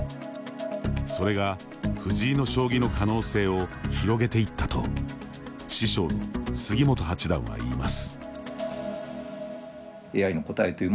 それが藤井の将棋の可能性を広げていったと師匠の杉本八段は言います。